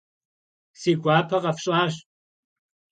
Си гуапэ къэфщӀащ.